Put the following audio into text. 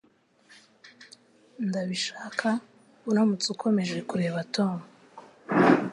Ndabishaka uramutse ukomeje kureba Tom.